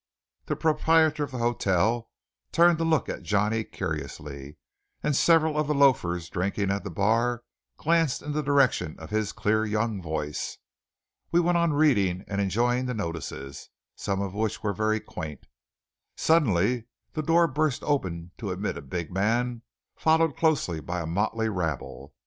The proprietor of the hotel turned to look at Johnny curiously, and several of the loafers drinking at the bar glanced in the direction of his clear young voice. We went on reading and enjoying the notices, some of which were very quaint. Suddenly the door burst open to admit a big man followed closely by a motley rabble.